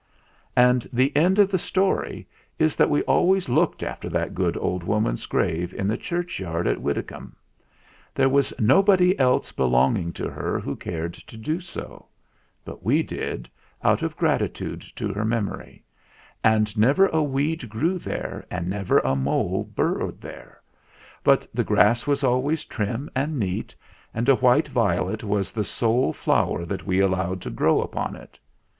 And the end of the story is that we always looked after that good old woman's grave in the churchyard at Widecombe. There was nobody else belong ing to her who cared to do so; but we did, out of gratitude to her memory; and never a weed grew there, and never a mole burrowed there ; but the grass was always trim and neat, and a white violet was the sole flower that we al lowed to grow upon it.